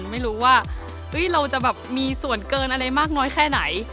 ไม่รู้ว่าเราจะแบบมีส่วนเกินอะไรมากน้อยแค่ไหน